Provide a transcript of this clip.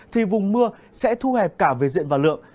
thì vùng mưa sẽ thu hẹp cả về diện và lượng